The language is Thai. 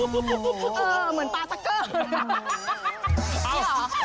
เออเหมือนตาซักเกอร์